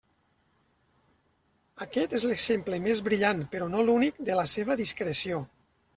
Aquest és l'exemple més brillant, però no l'únic, de la seva discreció.